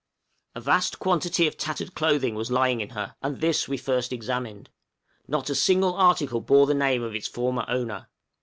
A vast quantity of tattered clothing was lying in her, and this we first examined. Not a single article bore the name of its former owner.